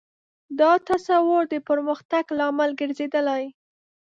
دا تصور د پرمختګ لامل ګرځېدلی.